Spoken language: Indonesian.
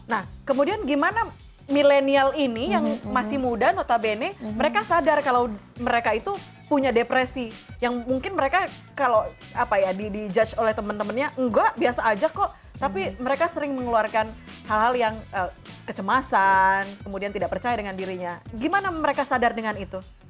nah kemudian gimana milenial ini yang masih muda notabene mereka sadar kalau mereka itu punya depresi yang mungkin mereka kalau apa ya di judge oleh temen temennya enggak biasa aja kok tapi mereka sering mengeluarkan hal hal yang kecemasan kemudian tidak percaya dengan dirinya gimana mereka sadar dengan itu